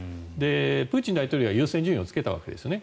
プーチン大統領は優先順位をつけたわけですね。